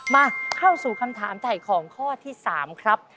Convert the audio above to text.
มาเข้าสู่คำถามถ่ายของข้อที่๓ครับ